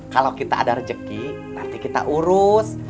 kalau kita ada rezeki nanti kita urus